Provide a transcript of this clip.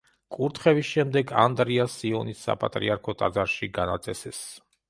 კურთხევის შემდეგ ანდრია სიონის საპატრიარქო ტაძარში განაწესეს.